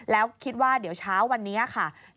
แล้วคิดว่าเดี๋ยวเช้าวันนี้ค่ะ